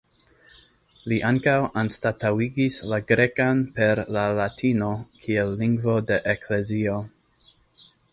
Li ankaŭ anstataŭigis la grekan per la latino kiel lingvo de eklezio.